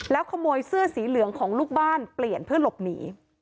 ขโมยเสื้อสีเหลืองของลูกบ้านเปลี่ยนเพื่อหลบหนี